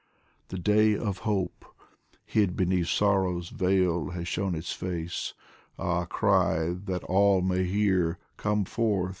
The Day of Hope, hid beneath Sorrow's veil, Has shown its face ah, cry that all may hear : Come forth